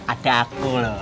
ada aku loh